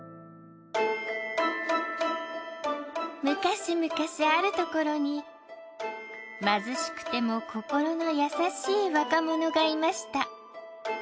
むかしむかしあるところに貧しくても心の優しい若者がいました。